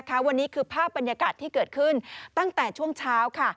วันนี้คือภาพบรรยากาศที่เกิดขึ้นตั้งแต่ช่วงเช้าค่ะ